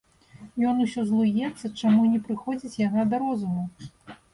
Ён усё злуецца, чаму не прыходзіць яна да розуму.